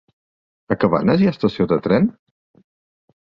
A Cabanes hi ha estació de tren?